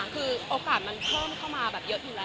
คือโอกาสมันเพิ่มเข้ามาแบบเยอะอยู่แล้ว